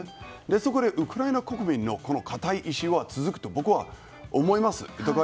そこでウクライナ国民の堅い意思は続くと僕は思います。